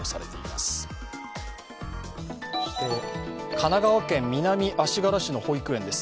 神奈川県南足柄市の保育園です。